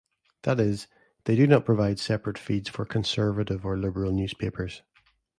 That is, they do not provide separate feeds for conservative or liberal newspapers.